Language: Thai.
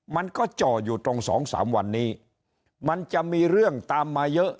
มันก็จ่ออยู่ตรงสองสามวันนี้มันจะมีเรื่องตามมาเยอะ